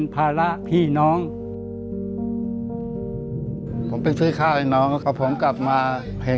ภาระพี่น้องผมไปซื้อข้าวให้น้องแล้วก็ผมกลับมาเห็น